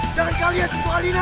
jangan kalian jemput alina